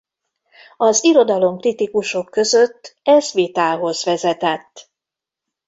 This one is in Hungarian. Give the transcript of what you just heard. Az irodalomkritikusok között ez vitához vezetett.